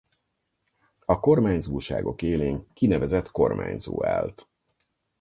A Kormányzóságok élén kinevezett kormányzó állt.